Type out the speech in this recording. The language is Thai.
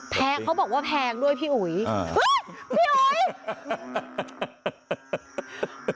แพงเขาบอกว่าแพงด้วยพี่อุ๋ยพี่อุ๋ย